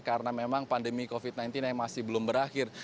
karena memang pandemi covid sembilan belas yang masih belum berakhir